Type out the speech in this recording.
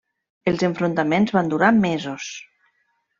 Els enfrontaments van durar mesos.